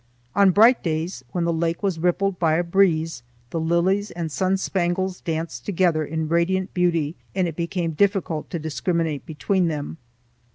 On bright days, when the lake was rippled by a breeze, the lilies and sun spangles danced together in radiant beauty, and it became difficult to discriminate between them.